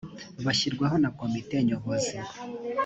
bashyirwaho na komite nyobozi